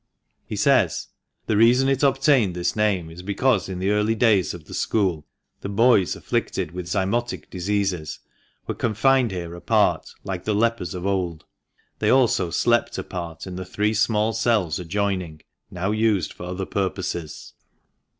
He says :" The reason it obtained this name is because in the early days of the school, the boys afflicted with zymotic diseases were confined here apart like the lepers of old. They also slept apart in the three small cells adjoining, now used for other purposes."